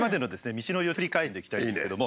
道のりを振り返っていきたいんですけども。